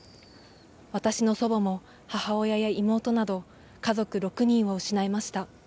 私の祖母も母親や妹など家族６人を失いました。